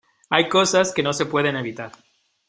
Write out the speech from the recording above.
hay cosas que no se pueden evitar,